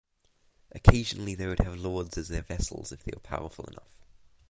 Occasionally they would have lords as their vassals if they were powerful enough.